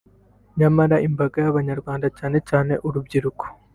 nyamara imbaga y’abanyarwanda cyane cyane urubyiruko